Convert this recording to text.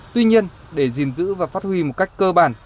tuy nhiên để gìn giữ và phát huy một cách cơ bản